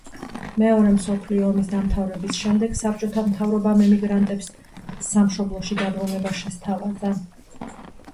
მეორე მსოფლიო ომის დამთავრების შემდეგ საბჭოთა მთავრობამ ემიგრანტებს სამშობლოში დაბრუნება შესთავაზა.